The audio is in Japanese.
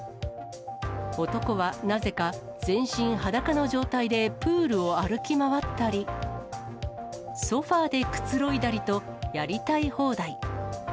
男はなぜか全身裸の状態でプールを歩き回ったり、ソファーでくつろいだりと、やりたい放題。